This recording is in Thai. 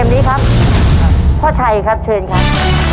แล้วนี้คือภูกภัณฑ์สำหรับโจทย์ข้อนี้ครับ